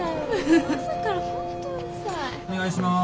お願いします。